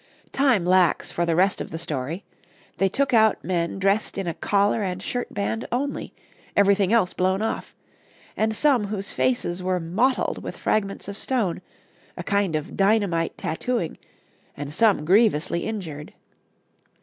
Time lacks for the rest of the story; they took out men dressed in a collar and shirt band only everything else blown off, and some whose faces were mottled with fragments of stone, a kind of dynamite tattooing, and some grievously injured.